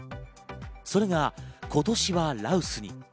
それが今年は羅臼に。